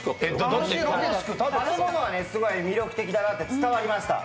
食べ物はすごい魅力的だなと伝わりました。